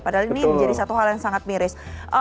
padahal ini menjadi satu hal yang sangat miris